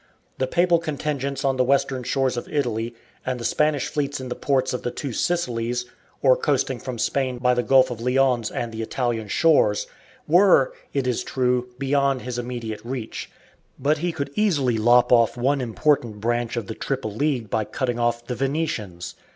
The papal contingents on the western shores of Italy and the Spanish fleets in the ports of the Two Sicilies, or coasting from Spain by the Gulf of Lyons and the Italian shores, were, it is true, beyond his immediate reach, but he could easily lop off one important branch of the triple League by cutting off the Venetians.